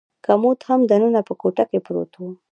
کمود هم دننه په کوټه کې پروت و.